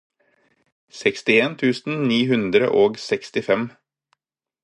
sekstien tusen ni hundre og sekstifem